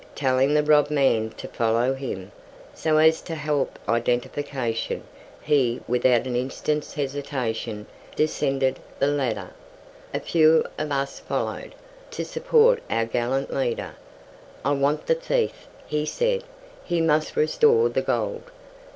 Telling the robbed man to follow him, so as to help identification, he, without an instant's hesitation, descended the ladder. A few of us followed, to support our gallant leader. "I want the thief," he said; "he must restore the gold.